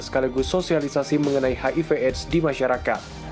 sekaligus sosialisasi mengenai hiv aids di masyarakat